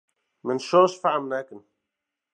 Min şaş fehm nekin